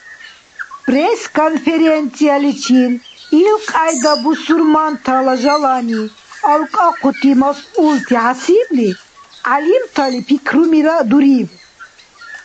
Пресс-конференцияличир илкьяйдали бусурмантала жалани алкӏахъути масъулти хӏясибли гӏялимтала пикрумира дуриб.